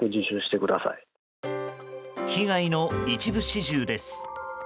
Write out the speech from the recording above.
被害の一部始終です。